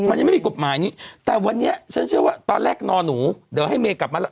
มันยังไม่มีกฎหมายนี้แต่วันนี้ฉันเชื่อว่าตอนแรกนอนหนูเดี๋ยวให้เมย์กลับมาแล้ว